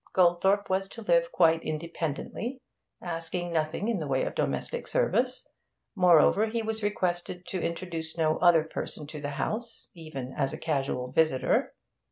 Goldthorpe was to live quite independently, asking nothing in the way of domestic service; moreover, he was requested to introduce no other person to the house, even as casual visitor.